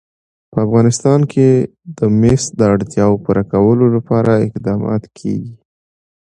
په افغانستان کې د مس د اړتیاوو پوره کولو لپاره اقدامات کېږي.